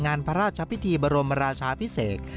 งานพระราชพิธีบรมราชาพิเศษ